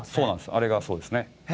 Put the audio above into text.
あれがそうですねえ